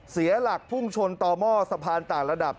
เสียหลักพุ่งชนต่อหม้อสะพานต่างระดับ